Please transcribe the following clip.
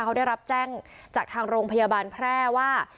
เขาได้รับแจ้งจากทางโรงพยาบาลแพร่ว่า